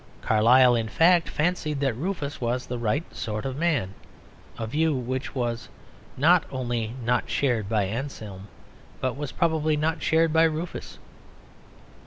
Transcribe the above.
Carlyle, in fact, fancied that Rufus was the right sort of man; a view which was not only not shared by Anselm, but was probably not shared by Rufus.